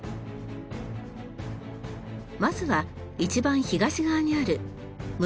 まずは一番東側にある村